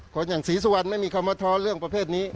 คนอย่างศรีสุวรรณไม่มีคำมาท้อนเรื่องประเภทนี้